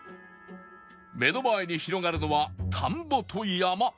目の前に広がるのは田んぼと山